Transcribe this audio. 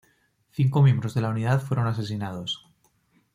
Cinco miembros de la unidad fueron asesinados.